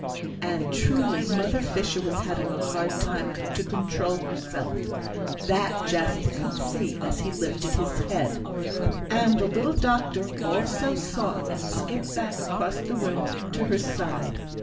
And truly Mother Fisher was having a hard time to control herself. That Jasper could see as he lifted his head. And the little doctor also saw, and skipped back across the room to her side.